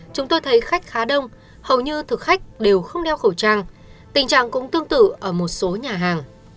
chúng tôi thấy khách khá đông hầu như thực khách đều không đeo khẩu trang tình trạng cũng tương tự ở một số nhà hàng